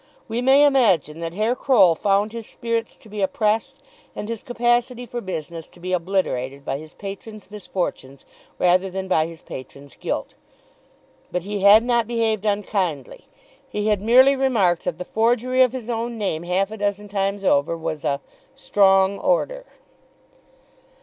We may imagine that Herr Croll found his spirits to be oppressed and his capacity for business to be obliterated by his patron's misfortunes rather than by his patron's guilt. But he had not behaved unkindly. He had merely remarked that the forgery of his own name half a dozen times over was a "strong order."